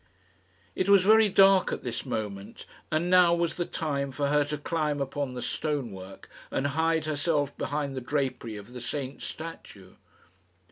It was very dark at this moment, and now was the time for her to climb upon the stone work and hide herself behind the drapery of the saint's statue.